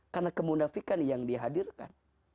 karena kemunafikan yang dihadirkan